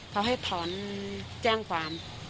เขาให้ถอนแจ้งความ